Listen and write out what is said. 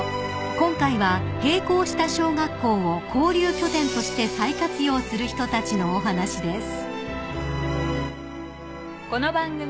［今回は閉校した小学校を交流拠点として再活用する人たちのお話です］